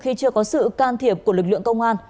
khi chưa có sự can thiệp của lực lượng công an